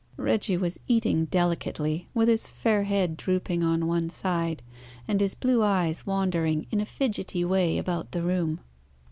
Reggie was eating delicately, with his fair head drooping on one side, and his blue eyes wandering in a fidgety way about the room.